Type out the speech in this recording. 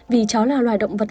vì chó là loài động vật